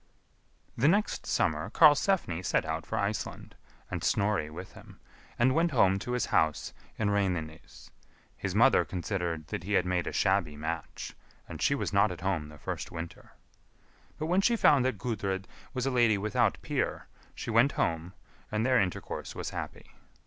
The next summer Karlsefni set out for Iceland, and Snorri with him, and went home to his house in Reynines. His mother considered that he had made a shabby match, and she was not at home the first winter. But when she found that Gudrid was a lady without peer, she went home, and their intercourse was happy.